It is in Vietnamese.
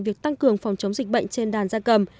việc tăng cường phòng chống dịch bệnh trên đàn da cầm